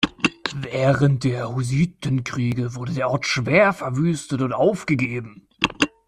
Während der Hussitenkriege wurde der Ort schwer verwüstet und aufgegeben.